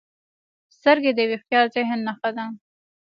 سترګې د هوښیار ذهن نښه ده